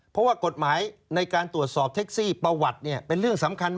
เพราะว่ากฎหมายในการตรวจสอบเท